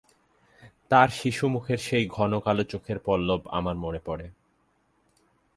তার শিশুমুখের সেই ঘন কালো চোখের পল্লব আমার মনে পড়ে।